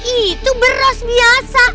itu beras biasa